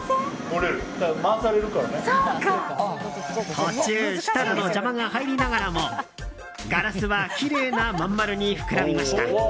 途中、設楽の邪魔が入りながらもガラスは、きれいな真ん丸に膨らみました。